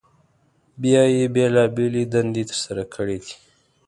بیا یې بېلابېلې دندې تر سره کړي دي.